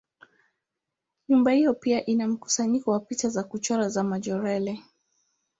Nyumba hiyo pia ina mkusanyiko wa picha za kuchora za Majorelle.